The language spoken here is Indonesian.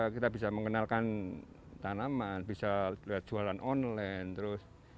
kita bisa mengenalkan tanaman bisa lihat jualan online terus